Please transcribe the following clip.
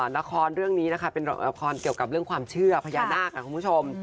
ละครเรื่องนี้นะคะเป็นละครเกี่ยวกับเรื่องความเชื่อพญานาคคุณผู้ชม